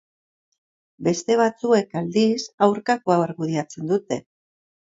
Beste batzuek aldiz, aurkakoa argudiatzen dute.